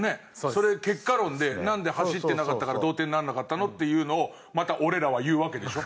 それ結果論でなんで走ってなかったから同点にならなかったの？っていうのをまた俺らは言うわけでしょ？